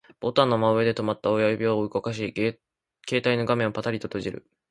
ボタンの真上で止まった親指を動かし、携帯の画面をパタリと閉じる